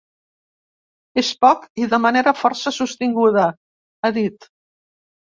“És poc i de manera força sostinguda”, ha dit.